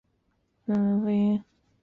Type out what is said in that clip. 故因其所处之各异形象而众说纷纭。